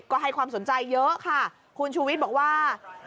ก็ให้ความสนใจเยอะค่ะคุณชูวิทย์บอกว่า